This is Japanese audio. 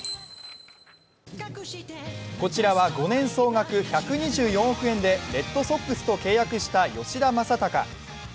こちらは５年総額１２４億円でレッドソックスと契約した吉田正尚。